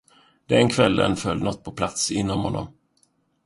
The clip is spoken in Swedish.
Den kvällen föll något på plats inom honom.